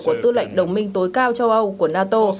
của tư lệnh đồng minh tối cao châu âu của nato